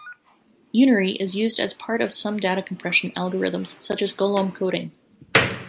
Unary is used as part of some data compression algorithms such as Golomb coding.